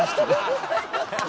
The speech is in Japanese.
ハハハッ！